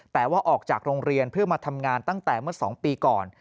แต่ว่าออกจากโรงเรียนเพื่อมาทำงานตั้งแต่เมื่อ๒ปีก่อน